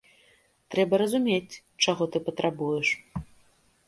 Трэба разумець, чаго ты патрабуеш.